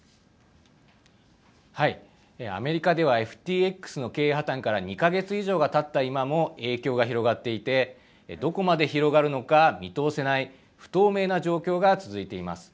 アメリカではＦＴＸの経営破綻から２か月以上がたった今も影響が広がっていてどこまで広がるのか見通せない不透明な状況が続いています。